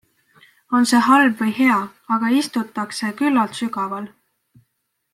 On see halb või hea, aga istutakse küllalt sügaval.